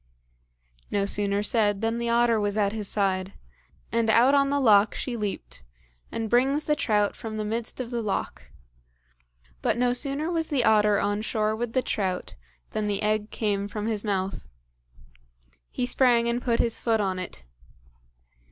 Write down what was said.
No sooner said than the otter was at his side, and out on the loch she leaped, and brings the trout from the midst of the loch; but no sooner was the otter on shore with the trout than the egg came from his mouth; He sprang and he put his foot on it.